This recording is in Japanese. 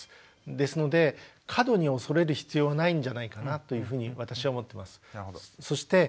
ですので過度に恐れる必要はないんじゃないかなというふうに私は思ってます。